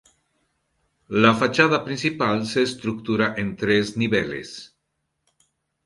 La fachada principal se estructura en tres niveles.